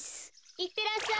いってらっしゃい。